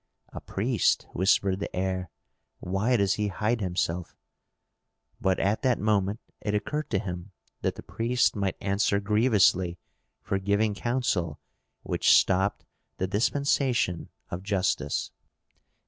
"A priest," whispered the heir. "Why does he hide himself?" But at that moment it occurred to him that the priest might answer grievously for giving counsel which stopped the dispensation of justice.